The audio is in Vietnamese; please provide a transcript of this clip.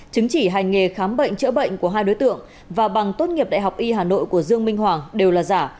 chứng chỉ hành nghề khám bệnh chữa bệnh của hai đối tượng và bằng tốt nghiệp đại học y hà nội của dương minh hoàng đều là giả